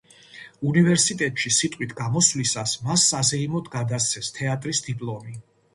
უნივერსიტეტში სიტყვით გამოსვლისას მას საზეიმოდ გადასცეს თეატრის დიპლომი.